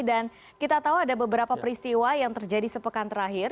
dan kita tahu ada beberapa peristiwa yang terjadi sepekan terakhir